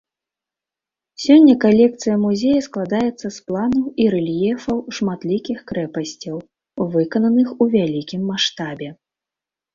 Сёння калекцыя музея складаецца з планаў і рэльефаў шматлікіх крэпасцяў, выкананых у вялікім маштабе.